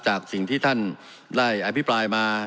จากสิ่งที่ท่านได้อภิปรายมา